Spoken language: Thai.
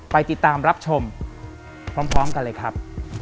ไปติดตามรับชมพร้อมกันเลยครับ